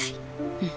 うん。